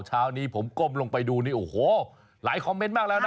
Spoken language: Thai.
เช้านี้ผมก้มลงไปดูนี่โอ้โหหลายคอมเมนต์มากแล้วนะ